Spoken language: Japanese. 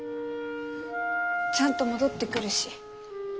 ちゃんと戻ってくるし。